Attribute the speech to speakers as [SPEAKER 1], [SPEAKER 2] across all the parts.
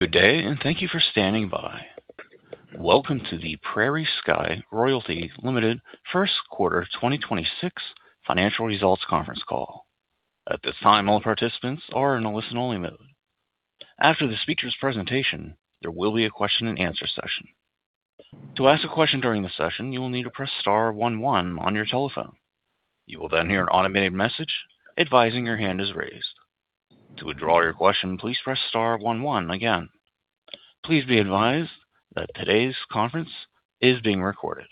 [SPEAKER 1] Good day and thank you for standing by. Welcome to the PrairieSky Royalty Ltd. First Quarter 2026 Financial Results Conference Call. At this time, all participants are in a listen-only mode. After the speaker's presentation, there will be a question and answer session. To ask a question during the session, you will need to press star one one on your telephone. You will then hear an automated message advising your hand is raised. To withdraw your question, please press star one one again. Please be advised that today's conference is being recorded.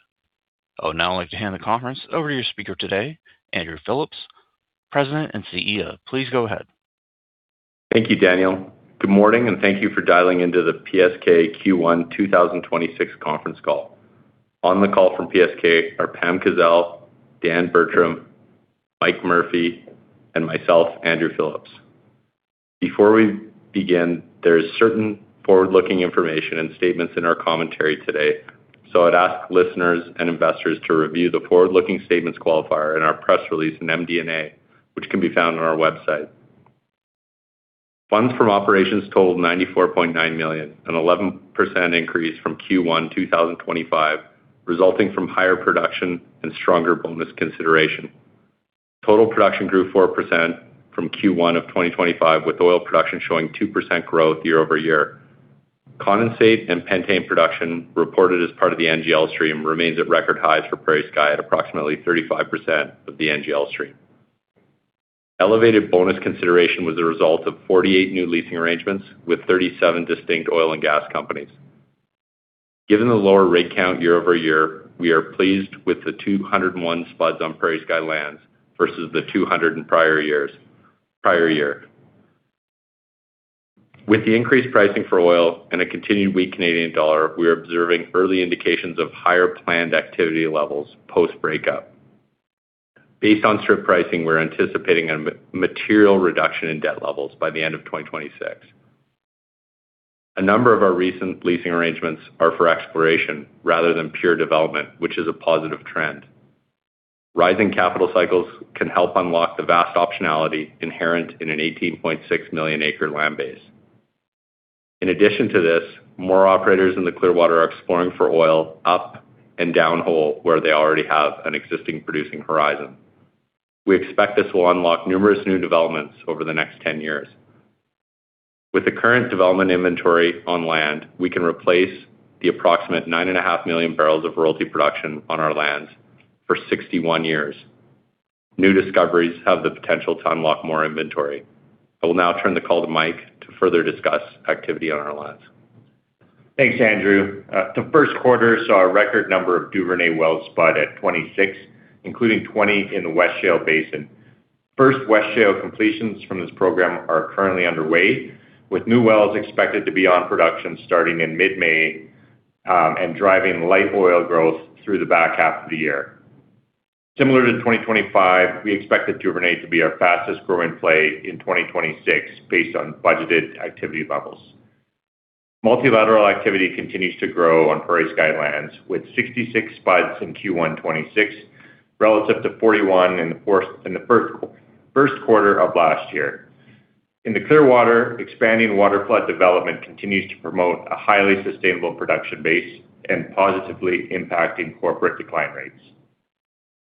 [SPEAKER 1] I would now like to hand the conference over to your speaker today, Andrew Phillips, President and CEO. Please go ahead.
[SPEAKER 2] Thank you, Daniel. Good morning and thank you for dialing into the PSK Q1 2026 conference call. On the call from PSK are Pam Kazeil, Dan Bertram, Michael Murphy, and myself, Andrew Phillips. Before we begin, there is certain forward-looking information and statements in our commentary today. I'd ask listeners and investors to review the forward-looking statements qualifier in our press release in MD&A, which can be found on our website. Funds from operations totaled 94.9 million, an 11% increase from Q1 2025, resulting from higher production and stronger bonus consideration. Total production grew 4% from Q1 of 2025, with oil production showing 2% growth year-over-year. Condensate and pentane production, reported as part of the NGL stream, remains at record highs for PrairieSky at approximately 35% of the NGL stream. Elevated bonus consideration was a result of 48 new leasing arrangements with 37 distinct oil and gas companies. Given the lower rig count year-over-year, we are pleased with the 201 SPUDs on PrairieSky lands versus the 200 in prior year. With the increased pricing for oil and a continued weak Canadian dollar, we are observing early indications of higher planned activity levels post-breakup. Based on strip pricing, we're anticipating a material reduction in debt levels by the end of 2026. A number of our recent leasing arrangements are for exploration rather than pure development, which is a positive trend. Rising capital cycles can help unlock the vast optionality inherent in an 18.6 million-acre land base. In addition to this, more operators in the Clearwater are exploring for oil up and down hole where they already have an existing producing horizon. We expect this will unlock numerous new developments over the next 10 years. With the current development inventory on land, we can replace the approximate 9.5 million barrels of royalty production on our lands for 61 years. New discoveries have the potential to unlock more inventory. I will now turn the call to Mike to further discuss activity on our lands.
[SPEAKER 3] Thanks, Andrew. The first quarter saw a record number of Duvernay wells SPUDs at 26, including 20 in the West Shale Basin. First West Shale completions from this program are currently underway, with new wells expected to be on production starting in mid-May, and driving light oil growth through the back half of the year. Similar to 2025, we expect the Duvernay to be our fastest growing play in 2026 based on budgeted activity levels. Multilateral activity continues to grow on PrairieSky lands, with 66 SPUDs in Q1 2026 relative to 41 in the first quarter of last year. In the Clearwater, expanding waterflooding development continues to promote a highly sustainable production base and positively impacting corporate decline rates.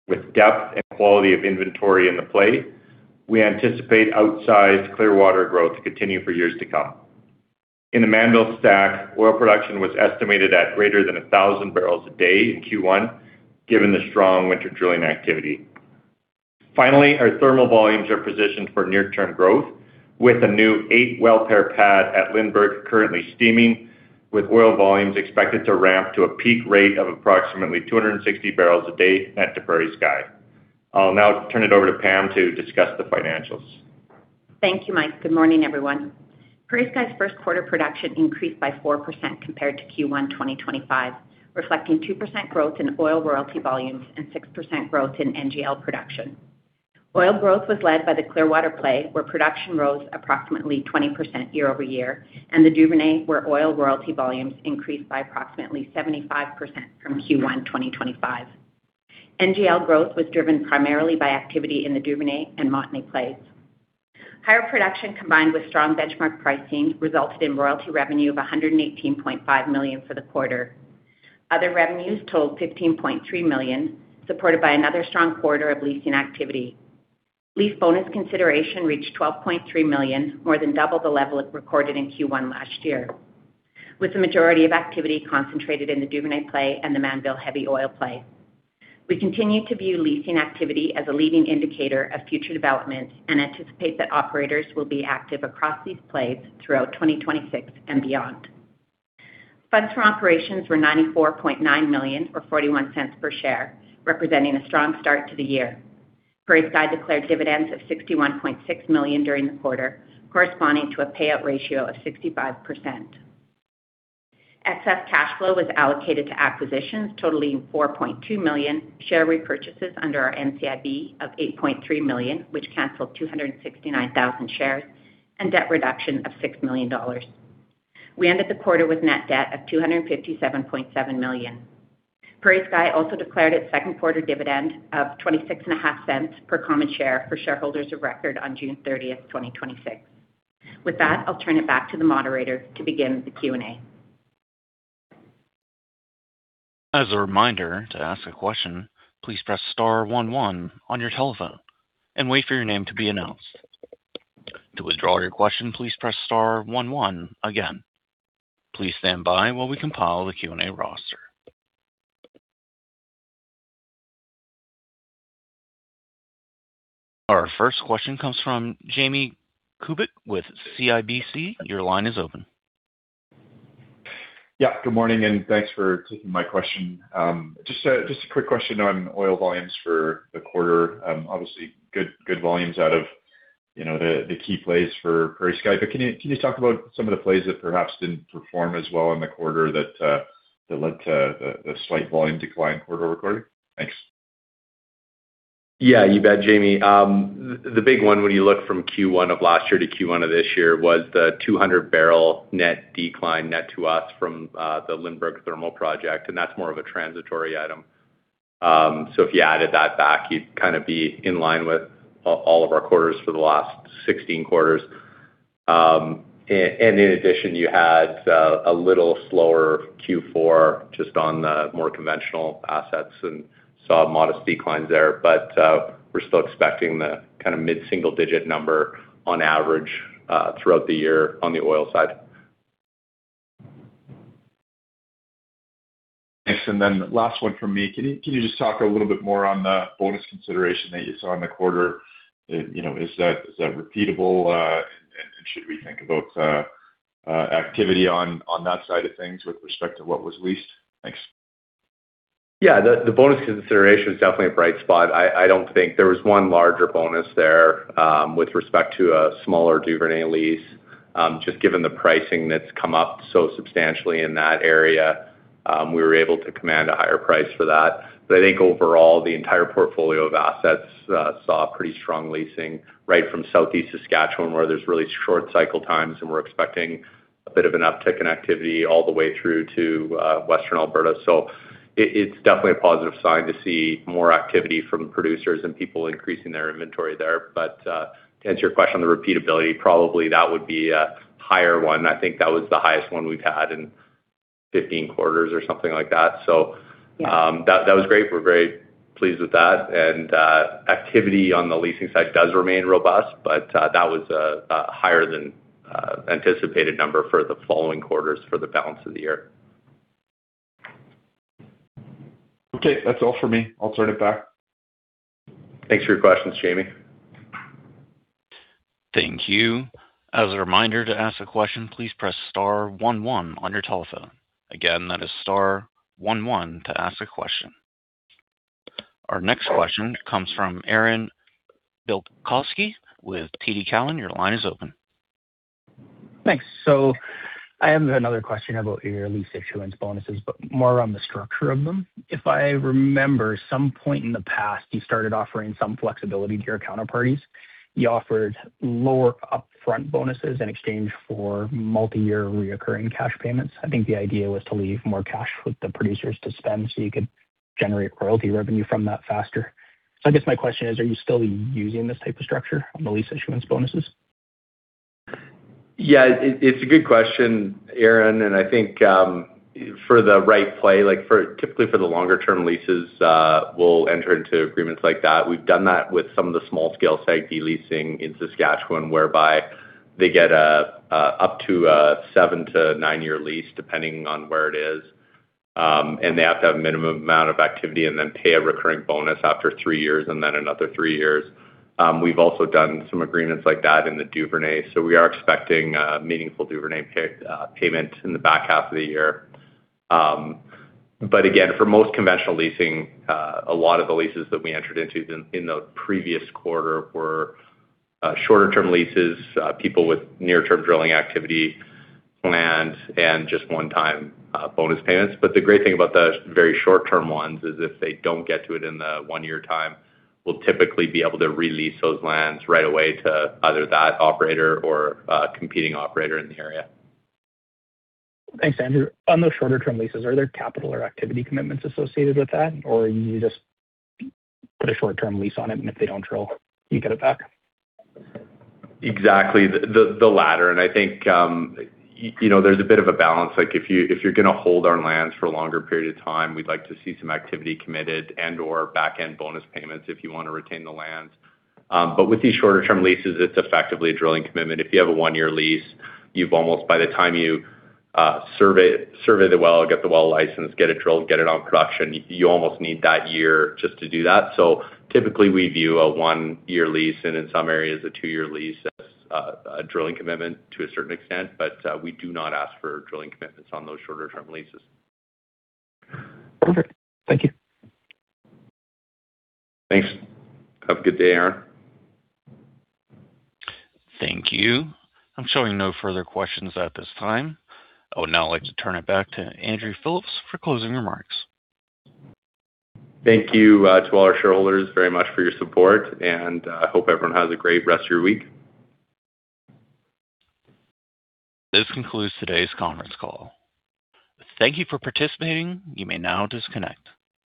[SPEAKER 3] With depth and quality of inventory in the play, we anticipate outsized Clearwater growth to continue for years to come. In the Mannville Stack, oil production was estimated at greater than 1,000 barrels a day in Q1, given the strong winter drilling activity. Finally, our thermal volumes are positioned for near-term growth with a new eight-well pair pad at Lindbergh currently steaming, with oil volumes expected to ramp to a peak rate of approximately 260 barrels a day net to PrairieSky. I'll now turn it over to Pam to discuss the financials.
[SPEAKER 4] Thank you, Mike. Good morning, everyone. PrairieSky's first quarter production increased by 4% compared to Q1 2025, reflecting 2% growth in oil royalty volumes and 6% growth in NGL production. Oil growth was led by the Clearwater play, where production rose approximately 20% year-over-year, and the Duvernay, where oil royalty volumes increased by approximately 75% from Q1 2025. NGL growth was driven primarily by activity in the Duvernay and Montney plays. Higher production, combined with strong benchmark pricing, resulted in royalty revenue of 118.5 million for the quarter. Other revenues totaled 15.3 million, supported by another strong quarter of leasing activity. Lease bonus consideration reached 12.3 million, more than double the level it recorded in Q1 last year, with the majority of activity concentrated in the Duvernay Play and the Mannville Heavy Oil Play. We continue to view leasing activity as a leading indicator of future development and anticipate that operators will be active across these plays throughout 2026 and beyond. Funds from operations were 94.9 million or 0.41 per share, representing a strong start to the year. PrairieSky declared dividends of 61.6 million during the quarter, corresponding to a payout ratio of 65%. Excess cash flow was allocated to acquisitions totaling 4.2 million, share repurchases under our NCIB of 8.3 million, which canceled 269,000 shares, and debt reduction of 6 million dollars. We ended the quarter with net debt of 257.7 million. PrairieSky also declared its second quarter dividend of 0.265 per common share for shareholders of record on June 30th, 2026. With that, I'll turn it back to the moderator to begin the Q&A.
[SPEAKER 1] As a reminder, to ask a question, please press star one one on your telephone and wait for your name to be announced. To withdraw your question, please press star one one again. Please stand by while we compile the Q&A roster. Our first question comes from Jamie Kubik with CIBC. Your line is open.
[SPEAKER 5] Yeah, good morning and thanks for taking my question. Just a quick question on oil volumes for the quarter. Obviously good volumes out of the key plays for PrairieSky. Can you talk about some of the plays that perhaps didn't perform as well in the quarter that led to the slight volume decline quarter over quarter? Thanks.
[SPEAKER 2] Yeah, you bet, Jamie. The big one when you look from Q1 of last year to Q1 of this year was the 200 barrel net decline net to us from the Lindbergh Thermal Project, and that's more of a transitory item. If you added that back, you'd kind of be in line with all of our quarters for the last 16 quarters. In addition, you had a little slower Q4 just on the more conventional assets and saw modest declines there. We're still expecting the mid-single digit number on average throughout the year on the oil side.
[SPEAKER 5] Thanks. Last one from me. Can you just talk a little bit more on the bonus consideration that you saw in the quarter? Is that repeatable? Should we think about activity on that side of things with respect to what was leased? Thanks.
[SPEAKER 2] Yeah, the bonus consideration is definitely a bright spot. I don't think there was one larger bonus there. With respect to a smaller Duvernay lease, just given the pricing that's come up so substantially in that area, we were able to command a higher price for that. I think overall, the entire portfolio of assets saw pretty strong leasing right from southeast Saskatchewan, where there's really short cycle times, and we're expecting a bit of an uptick in activity all the way through to western Alberta. It's definitely a positive sign to see more activity from producers and people increasing their inventory there. To answer your question on the repeatability, probably that would be a higher one. I think that was the highest one we've had in 15 quarters or something like that. That was great. We're very pleased with that. Activity on the leasing side does remain robust, but that was a higher than anticipated number for the following quarters for the balance of the year.
[SPEAKER 5] Okay. That's all for me. I'll turn it back.
[SPEAKER 2] Thanks for your questions, Jamie.
[SPEAKER 1] Thank you, as a reminder to ask a question please press star one one on your telephone, again that's star one one to ask a question. Our next question comes from Aaron Bilkoski with TD Cowen. Your line is open.
[SPEAKER 6] Thanks. I have another question about your lease issuance bonuses, but more on the structure of them. If I remember, some point in the past, you started offering some flexibility to your counterparties. You offered lower upfront bonuses in exchange for multi-year recurring cash payments. I think the idea was to leave more cash with the producers to spend so you could generate royalty revenue from that faster. I guess my question is, are you still using this type of structure on the lease issuance bonuses?
[SPEAKER 2] Yeah. It's a good question, Aaron, and I think, for the right play, typically for the longer-term leases, we'll enter into agreements like that. We've done that with some of the small-scale site de-leasing in Saskatchewan, whereby they get up to a seven to nine year lease, depending on where it is. They have to have minimum amount of activity and then pay a recurring bonus after three years and then another three years. We've also done some agreements like that in the Duvernay, so we are expecting a meaningful Duvernay payment in the back half of the year. Again, for most conventional leasing, a lot of the leases that we entered into in the previous quarter were shorter-term leases, people with near-term drilling activity plans and just one-time bonus payments. The great thing about the very short-term ones is if they don't get to it in the one-year time, we'll typically be able to re-lease those lands right away to either that operator or a competing operator in the area.
[SPEAKER 6] Thanks, Andrew. On those shorter term leases, are there capital or activity commitments associated with that? Or you just put a short term lease on it and if they don't drill, you get it back?
[SPEAKER 2] Exactly. The latter. I think there's a bit of a balance, if you're going to hold our lands for a longer period of time, we'd like to see some activity committed and/or backend bonus payments if you want to retain the lands. With these shorter term leases, it's effectively a drilling commitment. If you have a one-year lease, you've almost, by the time you survey the well, get the well licensed, get it drilled, get it on production, you almost need that year just to do that. Typically we view a one-year lease and in some areas a two-year lease as a drilling commitment to a certain extent. We do not ask for drilling commitments on those shorter term leases.
[SPEAKER 6] Perfect. Thank you.
[SPEAKER 2] Thanks. Have a good day, Aaron.
[SPEAKER 1] Thank you. I'm showing no further questions at this time. I would now like to turn it back to Andrew Phillips for closing remarks.
[SPEAKER 2] Thank you to all our shareholders very much for your support, and I hope everyone has a great rest of your week.
[SPEAKER 1] This concludes today's conference call. Thank you for participating. You may now disconnect.